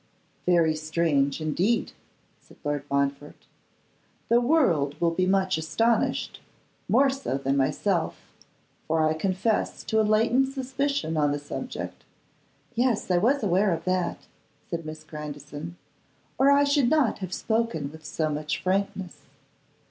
'Very strange, indeed,' said Lord Montfort. 'The world will be much astonished, more so than myself, for I confess to a latent suspicion on the subject.' 'Yes, I was aware of that,' said Miss Grandison, 'or I should not have spoken with so much frankness.